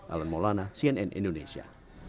alan maulana cnn indonesia